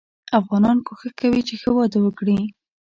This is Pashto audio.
افغانان کوښښ کوي چې ښه واده وګړي.